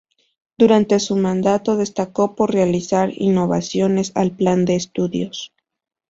Durante su mandato destacó por realizar innovaciones al plan de estudios.